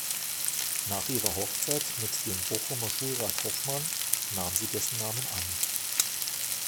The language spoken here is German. Nach ihrer Hochzeit mit dem Bochumer Schulrat Hoffmann nahm sie dessen Namen an.